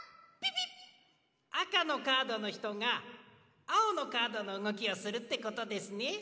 ピピッあかのカードのひとがあおのカードのうごきをするってことですね。